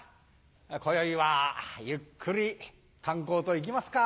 こよいはゆっくり観光といきますか。